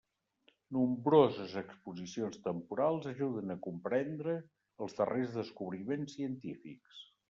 Nombroses exposicions temporals ajuden a comprendre els darrers descobriments científics.